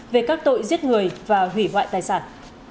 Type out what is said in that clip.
về các tội giết người và hủy hoại tài sản